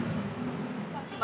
aku mengerti salah